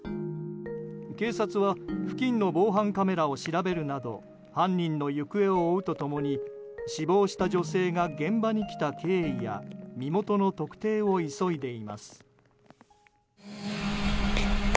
警察は付近の防犯カメラを調べるなど犯人の行方を追うと共に死亡した女性が現場に来た経緯や身元の特定を急いでいます。